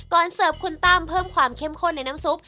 เสิร์ฟคุณตั้มเพิ่มความเข้มข้นในน้ำซุป